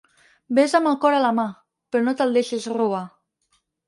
Ves amb el cor a la mà, però no te'l deixis robar.